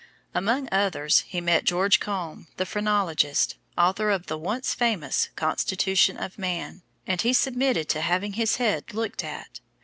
Among others he met George Combe, the phrenologist, author of the once famous Constitution of Man, and he submitted to having his head "looked at."